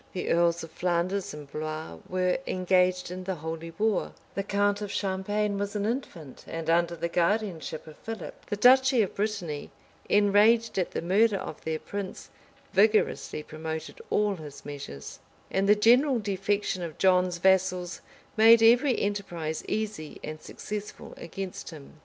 The earls of Flanders and Blois were engaged in the holy war: the count of Champagne was an infant, and under the guardianship of Philip: the duchy of Brittany, enraged at the murder of their prince, vigorously promoted all his measures: and the general defection of John's vassals made every enterprise easy and successful against him.